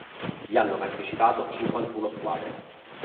Vi hanno partecipato cinquantuno squadre.